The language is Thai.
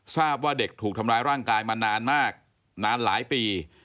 ทราบว่าเด็กถูกทำร้ายร่างกายมานานมากนานหลายปี